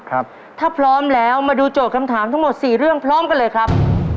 ถ้าพร้อมแล้วมาดูโจทย์คำถามทั้งหมดสี่เรื่องพร้อมกันเลยครับ